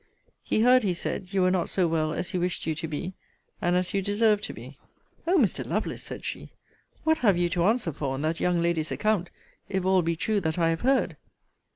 He heard, he said, you were not so well as he wished you to be, and as you deserved to be. O Mr. Lovelace, said she, what have you to answer for on that young lady's account, if all be true that I have heard.